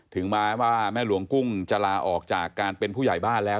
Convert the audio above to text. ถึงแม้ว่าแม่หลวงกุ้งจะลาออกจากการเป็นผู้ใหญ่บ้านแล้ว